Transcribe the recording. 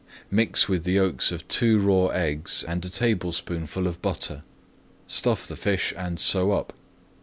Mix with the yolks of two raw eggs and a tablespoonful of butter. Stuff the fish and sew up.